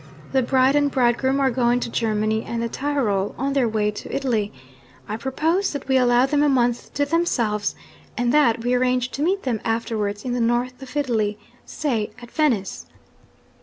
The bride and bridegroom are going to Germany and the Tyrol, on their way to Italy. I propose that we allow them a month to themselves, and that we arrange to meet them afterwards in the North of Italy say at Venice."